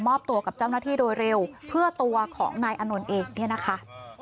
ตัวกับเจ้าหน้าที่โดยเร็วเพื่อตัวของนายอานนท์เองเนี่ยนะคะ